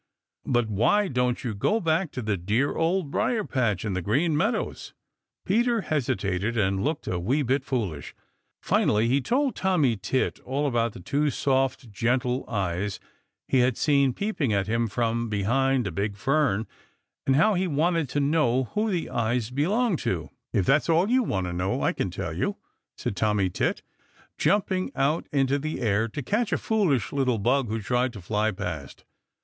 "But why don't you go back to the dear Old Briar patch in the Green Meadows?" Peter hesitated and looked a wee bit foolish. Finally he told Tommy Tit all about the two soft, gentle eyes he had seen peeping at him from behind a big fern, and how he wanted to know who the eyes belonged to. "If that's all you want to know, I can tell you," said Tommy Tit, jumping out into the air to catch a foolish little bug who tried to fly past.